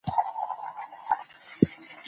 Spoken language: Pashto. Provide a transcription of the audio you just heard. په کورنۍ کي د کشرانو حق نه تر پښو لاندې کېږي.